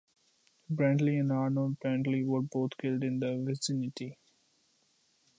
Brantley and Arnold Brantley were both killed in the vicinity.